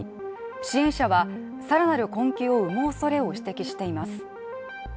支援者は更なる困窮を生む恐れを指摘しています。